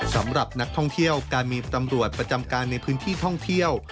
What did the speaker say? สำหรับนักท่องเที่ยวการมีตำรวจประจำการในพื้นที่ท่องเที่ยว